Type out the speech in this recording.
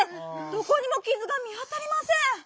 どこにもきずが見あたりません。